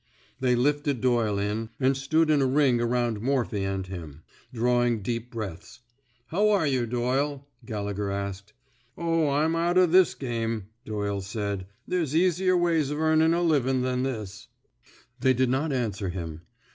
They lifted Doyle in, and stood in a ring around Morphy and him, drawing deep breaths. How are you, Doyle? " Galle gher asked. Oh, I'm out o* this game," Doyle said. There's easier ways of eamin' a livin' than this." 30 THE BED INK SQUAD ^' They did not answer him.